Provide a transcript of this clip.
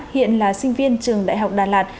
hiện là sinh viên trường đại học đà lạt